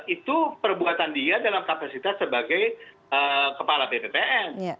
itu perbuatan dia dalam kapasitas sebagai kepala bppn